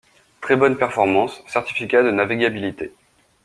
Très bonnes performances, certificat de navigabilité.